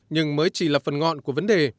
nhưng mới chỉ là phần ngọn của vấn đề